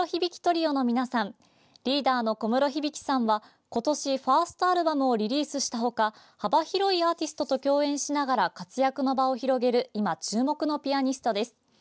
リーダーの小室響さんは今年、ファーストアルバムをリリースしたほか幅広いアーティストと共演しながら活躍の場を広げる今、注目のピアニストです。